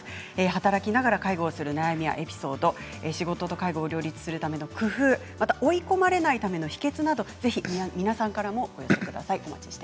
働きながら介護する悩みやエピソード仕事と介護を両立するための工夫また追い込まれないための秘けつなど皆さんからもお寄せください。